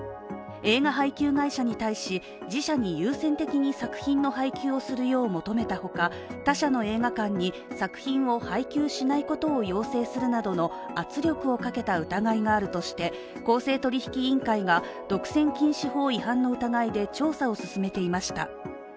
映画配給会社に対し自社に優先的に作品の配給をするようもとめたほか、他社の映画館に作品を配給しないよう要請するなどの圧力をかけた疑いがあるとして公正取引委員会が独占禁止法違反の疑いで調査を進めていました。